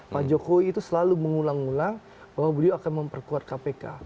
pak jokowi itu selalu mengulang ulang bahwa beliau akan memperkuat kpk